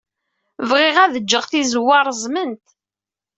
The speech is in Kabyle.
Bɣiɣ ad ǧǧeɣ tizewwa reẓment.